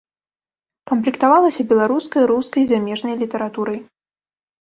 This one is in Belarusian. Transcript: Камплектавалася беларускай, рускай і замежнай літаратурай.